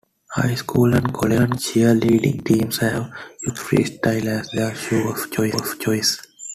High school and college cheerleading teams have used Freestyles as their shoe of choice.